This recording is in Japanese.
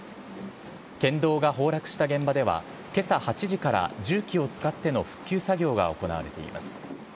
県道が崩落した現場では、けさ８時から重機を使っての復旧作業が行われています。